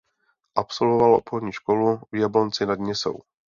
Absolvoval obchodní školu v Jablonci nad Nisou.